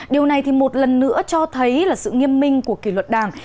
điều này thì một lần nữa cho thấy là sự nghiêm minh của kỷ luật đảng